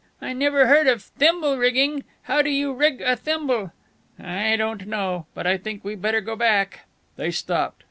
I never heard of thimble rigging. How do you rig a thimble?" "I don't know, but I think we better go back." They stopped.